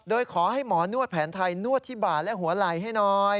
โดยขอให้หมอนวดแผนไทยนวดที่บาดและหัวไหล่ให้หน่อย